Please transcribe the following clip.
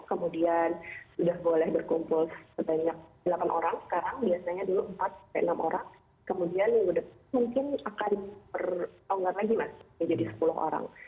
kemudian sudah boleh berkumpul sebanyak delapan orang sekarang biasanya dulu empat enam orang kemudian minggu depan mungkin akan perlonggar lagi mas menjadi sepuluh orang